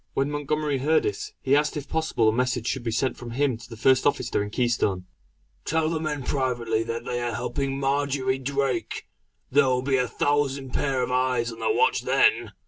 When Montgomery heard it, he asked that if possible a message should be sent from him to the first officer of the Keystone: "Tell the men privately that they are helping Marjory Drake! There will be a thousand pair of eyes on the watch then!"